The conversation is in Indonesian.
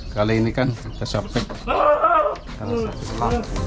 kali ini kan saya sopek